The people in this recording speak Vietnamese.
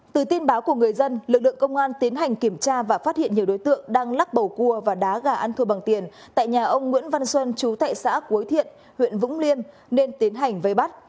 từ tin báo của người dân lực lượng công an tiến hành kiểm tra và phát hiện nhiều đối tượng đang lắc bầu cua và đá gà ăn thua bằng tiền tại nhà ông nguyễn văn xuân chú tại xã cuối thiện huyện vũng liêm nên tiến hành vây bắt